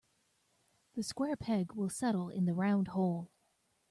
The square peg will settle in the round hole.